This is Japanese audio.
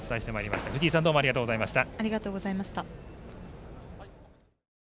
藤井さんどうもありがとうございました。